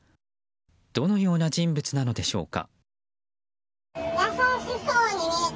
どのような人物なのでしょうか。